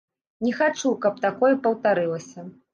Не хачу, каб такое паўтарылася.